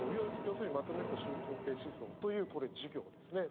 要するにまとめると習近平思想という授業ですね。